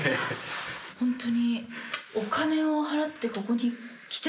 ホントに。